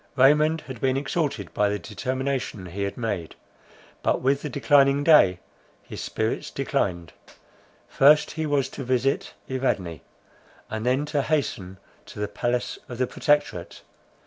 Raymond had been exalted by the determination he had made; but with the declining day his spirits declined. First he was to visit Evadne, and then to hasten to the palace of the Protectorate.